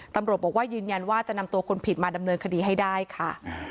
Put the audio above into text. ตำรวจบอกว่ายืนยันว่าจะนำตัวคนผิดมาดำเนินคดีให้ได้ค่ะ